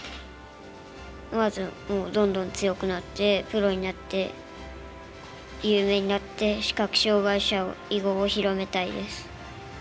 まずもうどんどん強くなってプロになって有名になって視覚障がい者を囲碁を広めたいです。